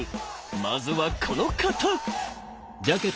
まずはこの方！